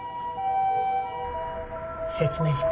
説明して。